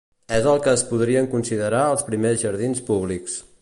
És el que es podrien considerar els primers jardins públics.